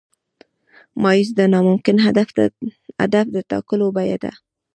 مایوسي د ناممکن هدف د ټاکلو بیه ده.